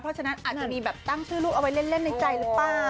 เพราะฉะนั้นอาจจะมีแบบตั้งชื่อลูกเอาไว้เล่นในใจหรือเปล่า